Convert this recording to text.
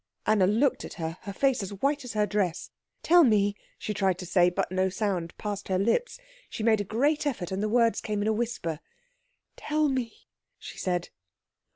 Anna looked at her, her face as white as her dress. "Tell me," she tried to say; but no sound passed her lips. She made a great effort, and the words came in a whisper: "Tell me," she said.